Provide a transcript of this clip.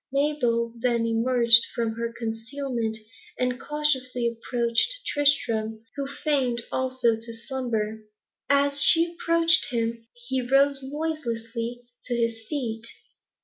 Mabel then emerged from her concealment, and cautiously approached Tristram, who feigned, also, to slumber. As she approached him, he rose noiselessly to his feet.